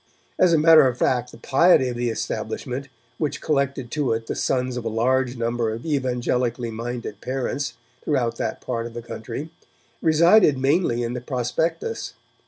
As a matter of fact the piety of the establishment, which collected to it the sons of a large number of evangelically minded parents throughout that part of the country, resided mainly in the prospectus.